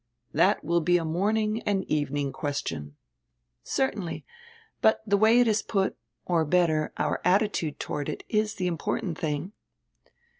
"That will be a morning and evening question." "Certainly. But the way it is put, or better, our attitude toward it, is the important tiling."